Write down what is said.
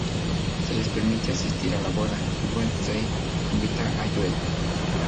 Se les permite asistir a la boda, y Wednesday invita a Joel.